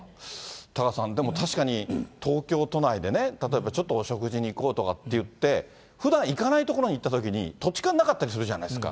タカさん、でも確かに東京都内でね、例えばちょっとお食事に行こうとか言って、ふだん行かない所に行ったときに、土地勘なかったりするじゃないですか。